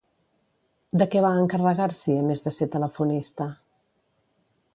De què va encarregar-s'hi, a més de ser telefonista?